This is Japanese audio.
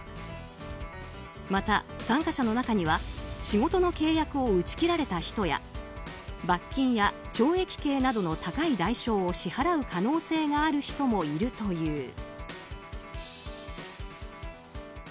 また、参加者の中には仕事の契約を打ち切られた人や罰金や懲役刑などの高い代償を支払う可能性がある人もいるという。